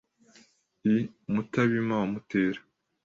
I Mutabima wa Mutera